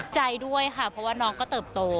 ใจด้วยค่ะเพราะว่าน้องก็เติบโต